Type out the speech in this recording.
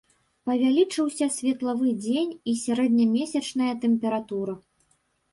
Павялічыўся светлавы дзень і сярэднямесячная тэмпература.